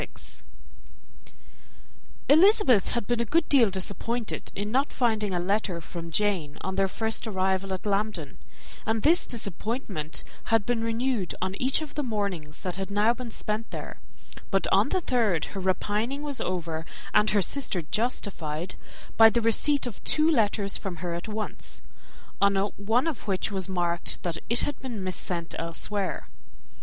Elizabeth had been a good deal disappointed in not finding a letter from Jane on their first arrival at Lambton; and this disappointment had been renewed on each of the mornings that had now been spent there; but on the third her repining was over, and her sister justified, by the receipt of two letters from her at once, on one of which was marked that it had been mis sent elsewhere.